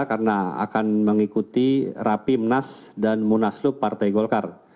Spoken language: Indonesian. karena akan mengikuti rapi mnas dan munaslup partai golkar